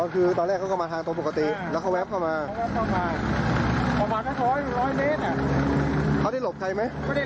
เค้าได้ลบใครไหม